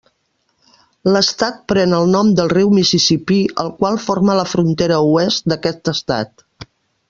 L'estat pren el nom del riu Mississipí, el qual forma la frontera oest d'aquest estat.